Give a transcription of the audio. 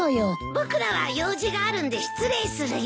僕らは用事があるんで失礼するよ。